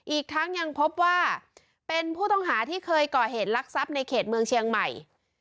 อีกทั้งยังพบว่าเป็นผู้ต้องหาที่เคยก่อเหตุลักษัพในเขตเมืองเชียงใหม่